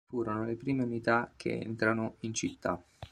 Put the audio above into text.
Furono le prime unità che entrano in città.